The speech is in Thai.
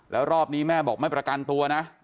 แล้วรอบนี้แม่บอกไม่ประกันตัวนะ